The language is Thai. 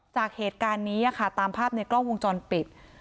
จากเหตุการณ์นี้ค่ะตามภาพในกล้องวงจรปิด